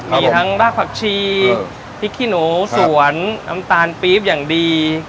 มีทั้งรากผักชีพริกขี้หนูสวนน้ำตาลปี๊บอย่างดี